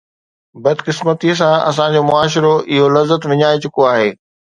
بدقسمتيءَ سان اسان جو معاشرو اهو لذت وڃائي چڪو آهي.